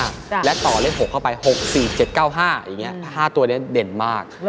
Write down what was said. ขอเลข๖เข้าไป๖๔๗๙๕อย่างนี้๕ตัวเลขเด่นมาก